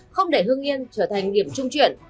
không để hương yên trở thành điểm trung chuyển